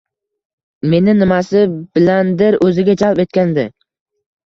meni nimasi bilandir o‘ziga jalb etgandi.